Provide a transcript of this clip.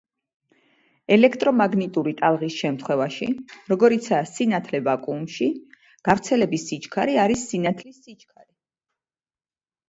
ელექტრომაგნიტური ტალღის შემთხვევაში, როგორიცაა სინათლე ვაკუუმში, გავრცელების სიჩქარე არის სინათლის სიჩქარე.